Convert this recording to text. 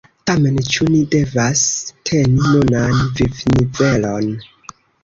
Tamen, ĉu ni devas teni nunan vivnivelon?